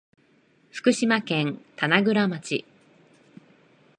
福島県棚倉町